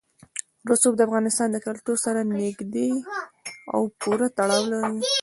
رسوب د افغانستان له کلتور سره نږدې او پوره تړاو لري.